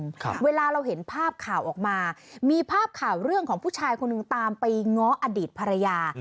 ครับเวลาเราเห็นภาพข่าวออกมามีภาพข่าวเรื่องของผู้ชายคนหนึ่งตามไปง้ออดีตภรรยา